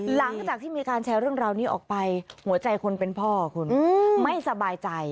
หลังจากที่มีการแชร์เรื่องราวนี้ออกไปหัวใจคนเป็นพ่อคุณไม่สบายใจ